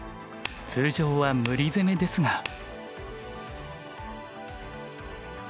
通常は無理攻めですが。